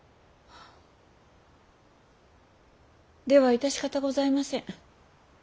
では致し方ございませぬ。